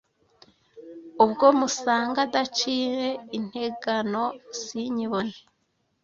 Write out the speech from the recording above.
Ubwo musanga adaciye integano sinyibone